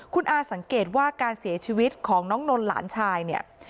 คุณอาสังเกตว่าการเสียชีวิตของน้องนนท์หลานชายเนี่ย